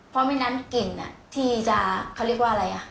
เพราะไม่นั้นกลิ่นอ่ะที่จะเขาเรียกว่าอะไรอ่ะ